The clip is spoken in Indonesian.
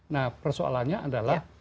nah persoalannya adalah